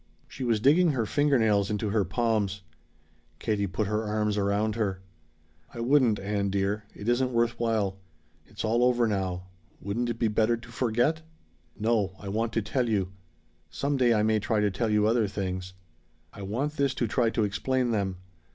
She was digging her finger nails into her palms. Katie put her arms around her. "I wouldn't, Ann dear it isn't worth while. It's all over now. Wouldn't it be better to forget?" "No, I want to tell you. Some day I may try to tell you other things. I want this to try to explain them.